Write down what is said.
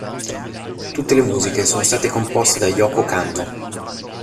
Tutte le musiche sono state composte da Yōko Kanno.